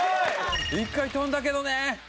１回跳んだけどね。